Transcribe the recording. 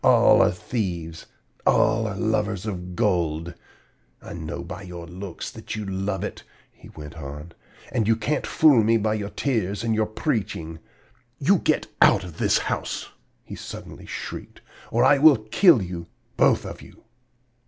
All are thieves! All are lovers of gold! I know by your looks that you love it,' he went on; 'and you can't fool me by your tears and your preaching. You get out of this house!' he suddenly shrieked, 'or I will kill you, both of you!'